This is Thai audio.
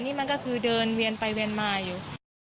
นี่มันก็คือเดินเวียนไปเวียนมาอยู่